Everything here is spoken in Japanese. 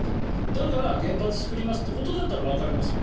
だから原発を作りますということだったらわかりますよ。